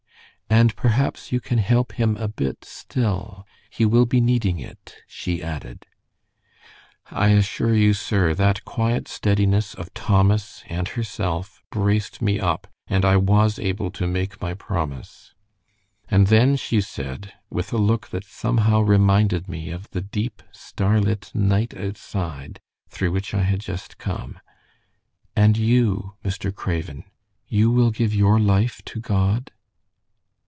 "'And perhaps you can help him a bit still. He will be needing it,' she added. "I assure you, sir, that quiet steadiness of Thomas and herself braced me up, and I was able to make my promise. And then she said, with a look that somehow reminded me of the deep, starlit night outside, through which I had just come, 'And you, Mr. Craven, you will give your life to God?'